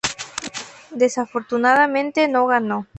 Desafortunadamente no ganó.